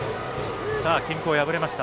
均衡破れました。